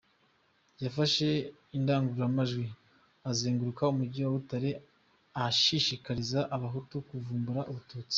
Yafashe indagururamajwi azenguruka umujyi wa Butare ashishikariza Abahutu kuvumbura Abatutsi.